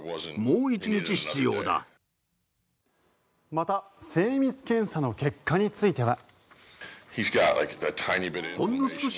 また精密検査の結果については。